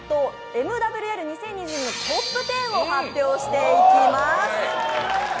ＭＷＬのトップ１０を発表していきます